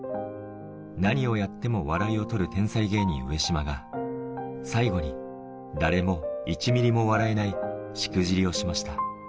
何をやっても笑いを取る天才芸人、上島が、最後に、誰も１ミリも笑えないしくじりをしました。